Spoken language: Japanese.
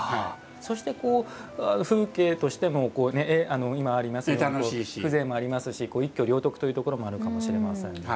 そしてこう風景としても今ありますように風情もありますし一挙両得というところもあるかもしれません。